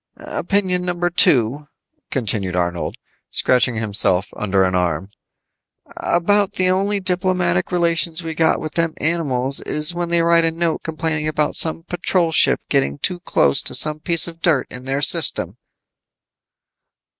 "Opinion number two," continued Arnold, scratching himself under an arm. "About the only diplomatic relations we got with them animals is when they write a note complaining about some Patrol ship getting too close to some piece of dirt in their system."